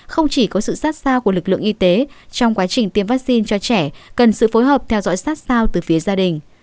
không chỉ có sự sát sao của lực lượng y tế trong quá trình tiêm vaccine cho trẻ cần sự phối hợp theo dõi sát sao từ phía gia đình